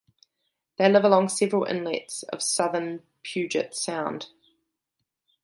They live along several inlets of southern Puget Sound.